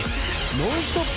ノンストップ！